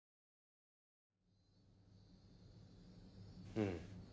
うん。